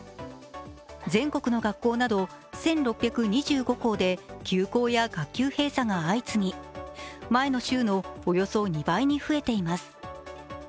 全国の学校など１６２５校で休校や学級閉鎖が相次ぎ前の週のおよそ２倍に増えています。